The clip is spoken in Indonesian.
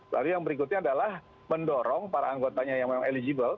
lalu yang berikutnya adalah mendorong para anggotanya yang memang eligible